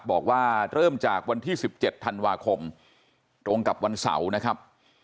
บอกว่าเริ่มจากวันที่๑๗ธันวาคมตรงกับวันเสาร์นะครับ